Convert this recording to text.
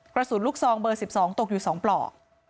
กระสุนลูกซองเบอร์๑๒ตกอยู่๒ปลอก